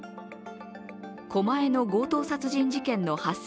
狛江の強盗殺人事件の発生